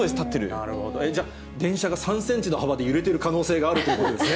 なるほど、電車が３センチの幅で揺れてる可能性があるということですね。